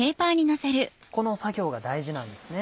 この作業が大事なんですね？